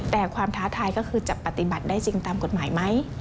แต่ความท้าทายก็คือจะปฏิบัติได้จริงตามกฎหมายไหม